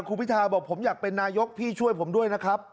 คุณพิทาบอกผมอยากเป็นนายกพี่ช่วยผมด้วยนะครับ